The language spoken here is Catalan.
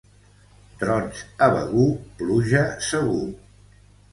Trons a Begur, pluja segur.